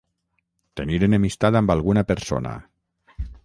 Tenir enemistat amb alguna persona.